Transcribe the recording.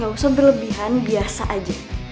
gak usah berlebihan biasa aja